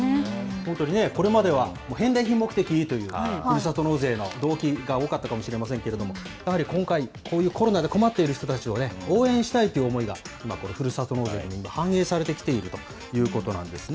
本当にね、これまでは返礼品目的というふるさと納税の動機が多かったかもしれませんけれども、やはり今回、こういうコロナで困っている人たちを応援したいという思いが、ふるさと納税にも今、反映されてきているということなんですね。